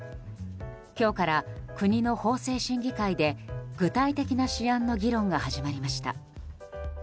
今日から、国の法制審議会で具体的な試案の議論が始まりました。